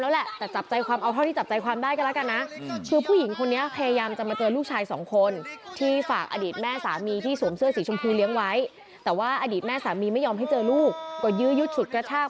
เลือกลับได้หรือแตบกัน